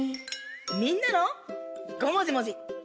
みんなの「ごもじもじ」。